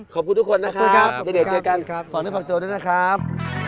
ขอบคุณทุกคนนะคะด้วยเด่ทเจอกันขอบคุณภักดิกันด้วยนะครับ